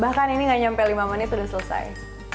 bahkan ini gak nyampe lima menit sudah selesai